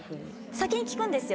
先に聞くんですよ